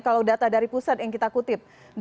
kalau data dari pusat yang kita kutip